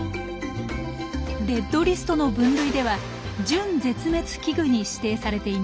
レッドリストの分類では「準絶滅危惧」に指定されています。